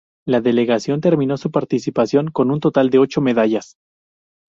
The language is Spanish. La delegación terminó su participación con un total de ocho medallas.